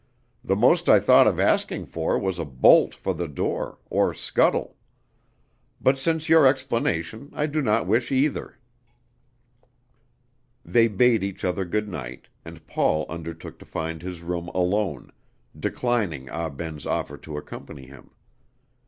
The most I thought of asking for was a bolt for the door, or scuttle; but since your explanation I do not wish either." They bade each other good night, and Paul undertook to find his room alone, declining Ah Ben's offer to accompany him.